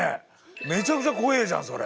めちゃくちゃ怖えじゃんそれ。